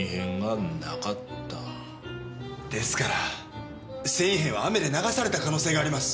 ですから繊維片は雨で流された可能性があります。